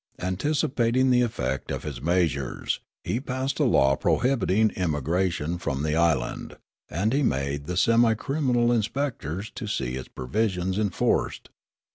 Anticipating the effect of his measures, he passed a law prohibiting emigration from the island ; and he made the semi criminal inspectors to see its provisions enforced.